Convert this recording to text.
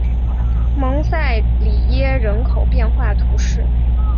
蒙塞里耶人口变化图示